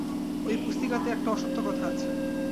ঐ পুস্তিকাতে একটা অসত্য কথা আছে।